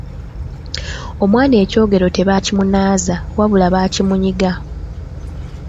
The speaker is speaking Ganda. Omwana ekyogero tebakimunaaza wabula bakimunyiga.